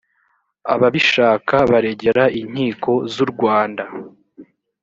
ababishaka baregera inkiko z u rwanda